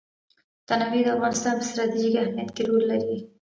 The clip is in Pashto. تنوع د افغانستان په ستراتیژیک اهمیت کې رول لري.